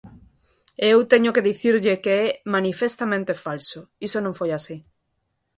E eu teño que dicirlle que é manifestamente falso, iso non foi así.